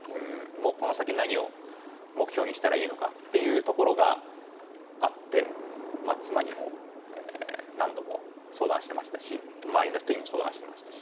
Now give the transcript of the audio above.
この先、何を目標にしたらいいのかというところがあって妻にも何度も相談してましたし周りの人にも相談してました。